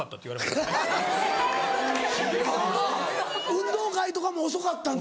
運動会とかも遅かったんだ。